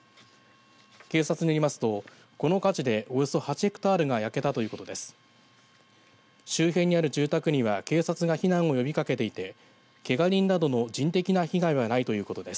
警察によりますと、この火事でおよそ８ヘクタールが焼けたということです。